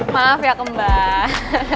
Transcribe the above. maaf ya kembar